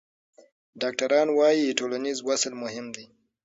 ډاکټران وايي ټولنیز وصل مهم دی.